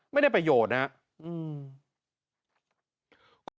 ไม่ได้ประโยชน์นะครับ